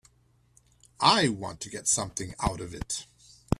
I want to get something out of it.